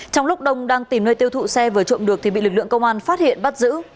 trong lúc đông đang tìm nơi tiêu thụ xe vừa trộm được thì bị lực lượng công an phát hiện bắt giữ